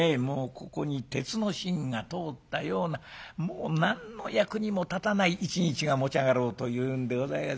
ここに鉄の芯が通ったようなもう何の役にも立たない一日が持ち上がろうというんでございます。